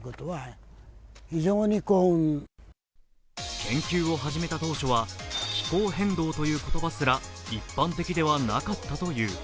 研究を始めた当初は気候変動という言葉すら一般的ではなかったという。